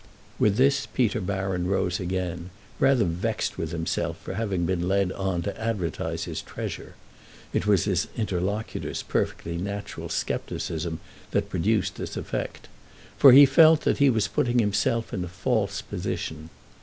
With this Peter Baron rose again, rather vexed with himself for having been led on to advertise his treasure (it was his interlocutor's perfectly natural scepticism that produced this effect), for he felt that he was putting himself in a false position.